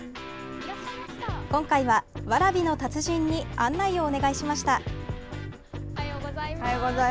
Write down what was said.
今回は、蕨の達人に案内をお願いしました。